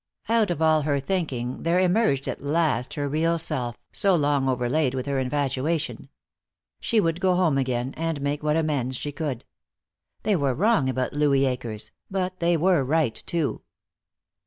Out of all her thinking there emerged at last her real self, so long overlaid with her infatuation. She would go home again, and make what amends she could. They were wrong about Louis Akers, but they were right, too.